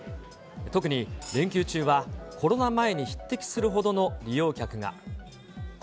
特に連休中は、コロナ前に匹敵するほどの利用客が。